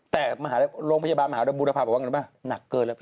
แต่โรงพยาบาลมหาลัยบุราษาบอกขึ้นไหมณักเกินแล้วพี่